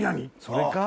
それか？